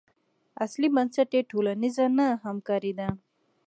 اصلي بنسټ یې ټولنیزه نه همکاري ده.